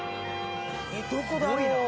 えっどこだろう？